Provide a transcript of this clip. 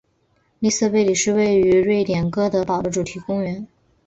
利瑟贝里是位于瑞典哥德堡的主题公园。